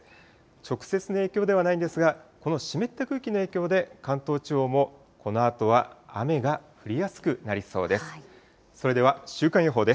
直接の影響ではないんですが、この湿った空気の影響で、関東地方もこのあとは雨が降りやすくなりそうです。